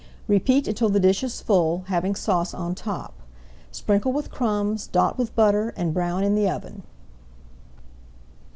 Repeat until the dish is full, having sauce on top. Sprinkle with crumbs, dot with butter, and brown in the oven.